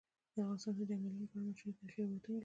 افغانستان د چنګلونه په اړه مشهور تاریخی روایتونه لري.